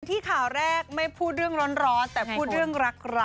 ที่ข่าวแรกไม่พูดเรื่องร้อนแต่พูดเรื่องรักรัก